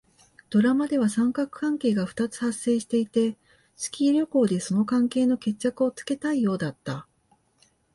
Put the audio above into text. ドラマでは三角関係が二つ発生していて、スキー旅行でその関係の決着をつけたいようだった。